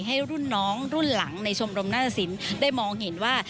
ให้รุ่นน้องรุ่นหลังในชมรมนาตสินได้มองเห็นว่า